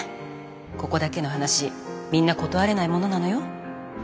ここだけの話みんな断れないものなのよ？